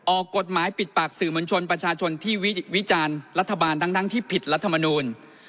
ออกกฎหมายปิดปากสื่อมวลชนประชาชนที่วิจารณ์รัฐบาลทั้งที่ผิดรัฐมนูล